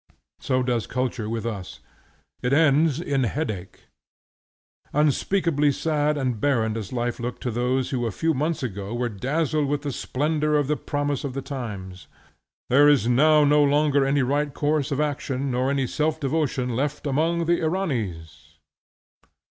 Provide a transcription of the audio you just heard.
So does culture with us; it ends in headache. Unspeakably sad and barren does life look to those who a few months ago were dazzled with the splendor of the promise of the times. "There is now no longer any right course of action nor any self devotion left among the Iranis."